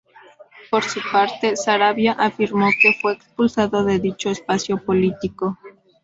Por su parte Saravia afirmó que fue expulsado de dicho espacio político.